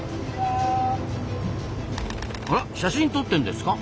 あら写真撮ってんですか？